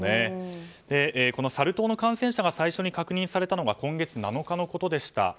このサル痘の感染者が最初に確認されたのが今月７日のことでした。